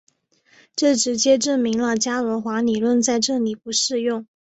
这直接证明了伽罗华理论在这里不适用。